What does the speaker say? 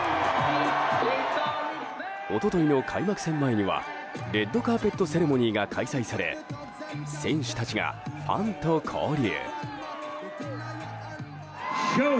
一昨日の開幕戦前にはレッドカーペットセレモニーが開催され選手たちがファンと交流。